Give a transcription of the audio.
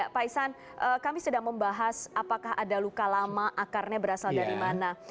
pak isan kami sedang membahas apakah ada luka lama akarnya berasal dari mana